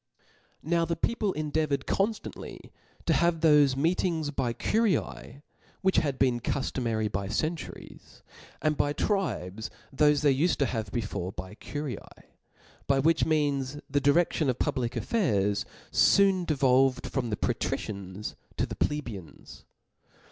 Now the people endeavoured conftantly to have thofe meetings by curias which had been cufto * mary by centuries \ and by tribes, thofe they ufed to have before by curia: ; by which means the di re^on of public aflFairs foon devolved from the patricians to the plebeians.